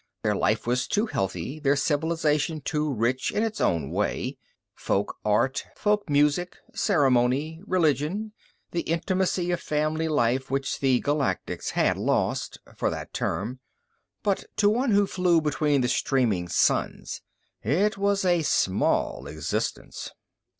Their life was too healthy, their civilization too rich in its own way folk art, folk music, ceremony, religion, the intimacy of family life which the Galactics had lost for that term. But to one who flew between the streaming suns, it was a small existence.